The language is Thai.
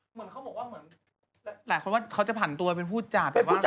เหมือนเขาบอกแหลกคนว่าเขาจะผันตัวเป็นผู้จัด